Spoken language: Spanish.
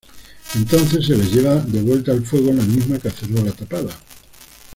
Entonces se las lleva de vuelta al fuego en la misma cacerola tapada.